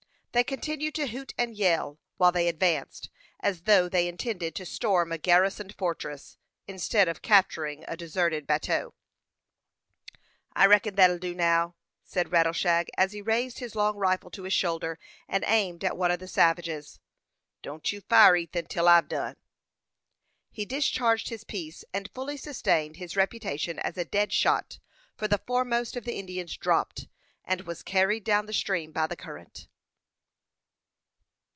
They continued to hoot and yell, while they advanced, as though they intended to storm a garrisoned fortress, instead of capturing a deserted bateau. "I reckon thet'll do now," said Rattleshag, as he raised his long rifle to his shoulder, and aimed at one of the savages. "Don't you fire, Ethan, till I've done." He discharged his piece, and fully sustained his reputation as a dead shot, for the foremost of the Indians dropped, and was carried down the stream by the current.